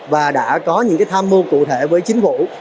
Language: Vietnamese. và đã có những cái tham mưu cụ thể với chính phủ